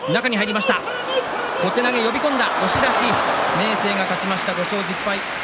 明生が勝ちました５勝１０敗。